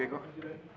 terima kasih day